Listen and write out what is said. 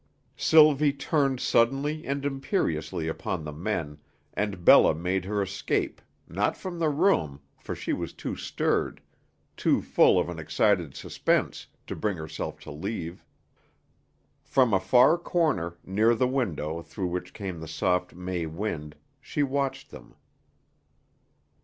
Sylvie turned suddenly and imperiously upon the men, and Bella made her escape, not from the room, for she was too stirred, too full of an excited suspense, to bring herself to leave. From a far corner, near the window through which came the soft May wind, she watched them.